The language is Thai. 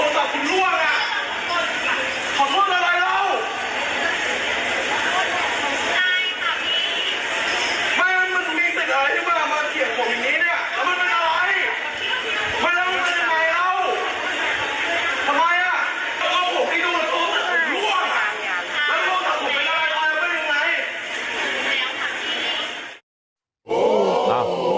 ก็อย่างไรอ่ะ